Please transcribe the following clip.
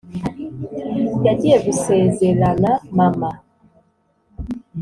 yagiye gusezerana, mama.